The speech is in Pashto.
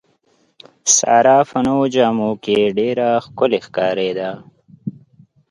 ساره په نوو جامو کې ډېره ښکلې ښکارېده.